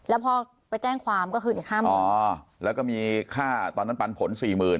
แล้วพอไปแจ้งความก็คืออีกห้าหมื่นอ๋อแล้วก็มีค่าตอนนั้นปันผลสี่หมื่น